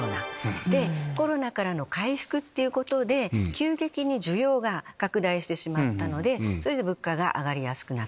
コロナからの回復っていうことで急激に需要が拡大したので物価が上がりやすくなった。